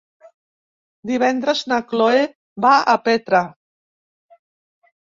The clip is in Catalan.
Divendres na Cloè va a Petra.